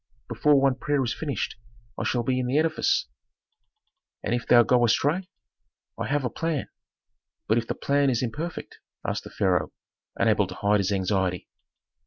Before one prayer is finished I shall be in the edifice." "And if thou go astray?" "I have a plan." "But if the plan is imperfect?" asked the pharaoh, unable to hide his anxiety.